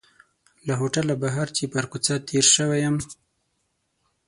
له هوټله بهر چې پر کوڅه تېر شوی یم.